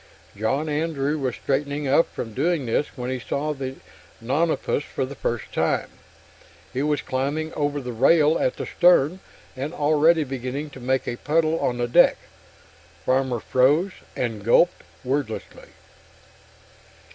John Andrew was straightening up from doing this when he saw the nonapus for the first time. It was climbing over the rail at the stern, and already beginning to make a puddle on the deck. Farmer froze, and gulped wordlessly.